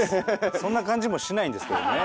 そんな感じもしないんですけどね。